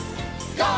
ＧＯ！